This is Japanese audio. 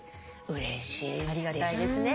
うれしいね。